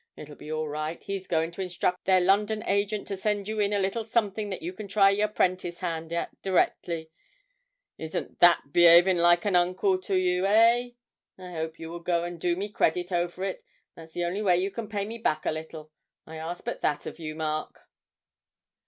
'It'll be all right; he's goin' to instruct their London agent to send you in a little something that you can try your 'prentice hand at directly. Isn't that be'aving like an uncle to you, eh? I hope you will go and do me credit over it; that's the only way you can pay me back a little I ask but that of you, Mark.'